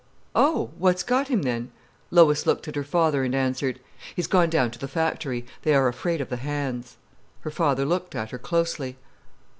"Oh! What's got him then?" Lois looked at her father, and answered: "He's gone down to the factory. They are afraid of the hands." Her father looked at her closely.